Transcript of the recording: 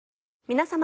皆様。